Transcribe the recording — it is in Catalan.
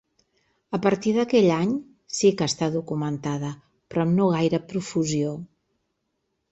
A partir d'aquell any sí que està documentada, però amb no gaire profusió.